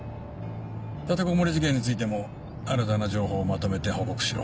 立てこもり事件についても新たな情報をまとめて報告しろ。